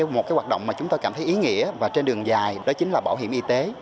một hoạt động mà chúng tôi cảm thấy ý nghĩa và trên đường dài đó chính là bảo hiểm y tế